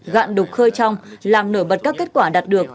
gạn đục khơi trong làm nổi bật các kết quả đạt được